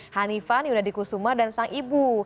hanifan yunadi kusuma dan sang ibu